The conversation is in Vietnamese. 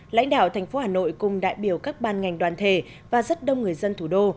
lãnh đạo thành phố hà nội cùng đại biểu các ban ngành đoàn thể và rất đông người dân thủ đô